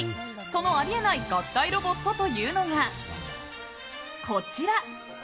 その、あり得ない合体ロボットというのがこちら。